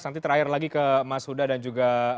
nanti terakhir lagi ke mas huda dan juga